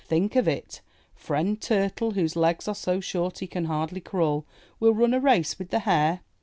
'Think of it! Friend Turtle, whose legs are so short he can hardly crawl, will run a race with the Hare!